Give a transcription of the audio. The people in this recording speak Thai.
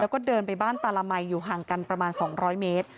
ก็เดินไปบ้านตาละไมอยู่ห่างกัน๒๐๐เมตร